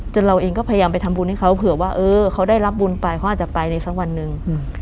เราเองก็พยายามไปทำบุญให้เขาเผื่อว่าเออเขาได้รับบุญไปเขาอาจจะไปในสักวันหนึ่ง